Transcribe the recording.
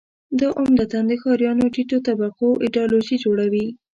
دا عمدتاً د ښاریانو ټیټو طبقو ایدیالوژي جوړوي.